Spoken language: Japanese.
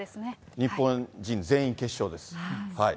日本人全員決勝です。